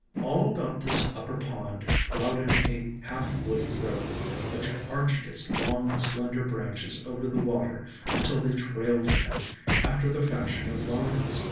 All about this upper pond crowded a half woody growth, which arched its long, slender branches over the water until they trailed in it, after the fashion of vines.